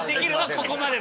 ・ここまで。